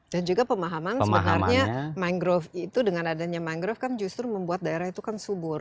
dan juga pemahaman sebenarnya mangrove itu dengan adanya mangrove kan justru membuat daerah itu kan subur